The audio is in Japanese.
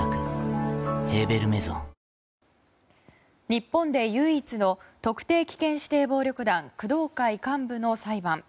日本で唯一の特定危険指定暴力団工藤会幹部の裁判。